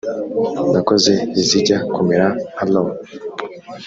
nakoze izijya kumera nka Rock